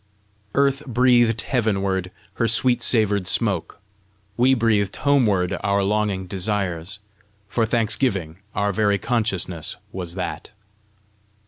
Earth breathed heavenward her sweet savoured smoke; we breathed homeward our longing desires. For thanksgiving, our very consciousness was that.